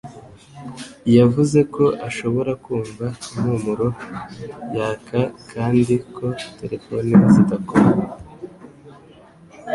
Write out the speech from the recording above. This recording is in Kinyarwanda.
Yavuze ko ashobora kumva impumuro yaka kandi ko terefone zidakora